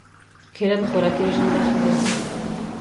کېله د خوراکي رژیم برخه ګرځي.